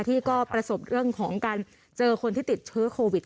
ที่ก็ประสบเรื่องของการเจอคนที่ติดเชื้อโควิด